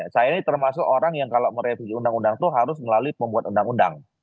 saya ini termasuk orang yang kalau merevisi undang undang itu harus melalui pembuat undang undang